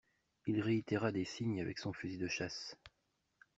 Il réitéra des signes avec son fusil de chasse.